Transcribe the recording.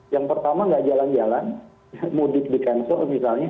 yang pertama nggak jalan jalan mudik dikansel misalnya